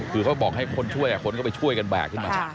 คือเขาบอกให้คนช่วยคนก็ไปช่วยกันแบกขึ้นมา